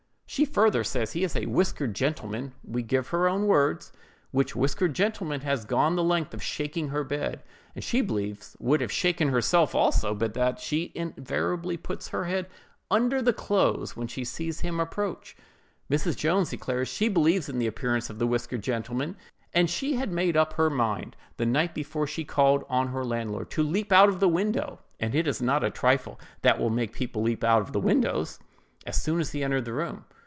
She further says he is a "whiskered gentleman" (we give her own words)—which whiskered gentleman has gone the length of shaking her bed, and she believes would have shaken herself also, but that she invariably puts her head under the clothes when she sees him approach. Mrs. Jones declares she believes in the appearance of the whiskered gentleman, and she had made up her mind, the night before she called on her landlord, to leap out of the window (and it is not a trifle that will make people leap out of the windows) as soon as he entered the room.